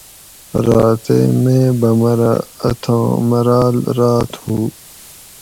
راتیں مے بمرۤہ اتھاں مراۤل راۤت ہُو